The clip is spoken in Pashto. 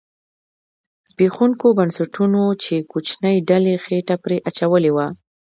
زبېښوونکو بنسټونو چې کوچنۍ ډلې خېټه پرې اچولې وه